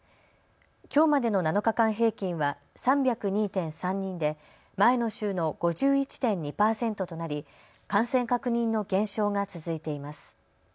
きょうまでの７日間平均は３０２．３人で前の週の５１．２％となり感染確認の減少が続いています。